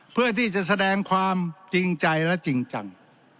เพื่อที่จะแสดงความจริงใจและจริงจัง